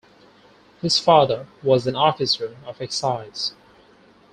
His father was an officer of excise.